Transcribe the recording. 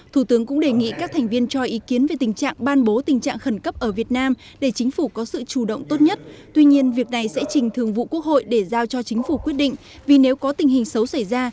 thủ tướng cũng đề nghị các thành viên cho ý kiến về trí thị một mươi sáu một cách hiệu quả